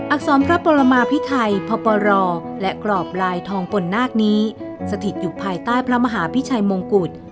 อรพระปรมาพิไทยพปรและกรอบลายทองปนนาคนี้สถิตอยู่ภายใต้พระมหาพิชัยมงกุฎ